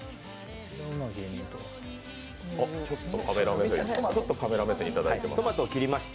ちょっとカメラ目線をいただいております。